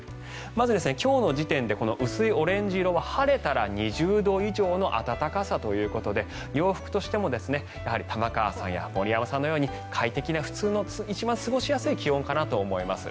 まず今日の時点で薄いオレンジ色は晴れたら２０度以上の暖かさということで洋服としても玉川さんや森山さんのように快適な、普通の一番過ごしやすい気温かなと思います。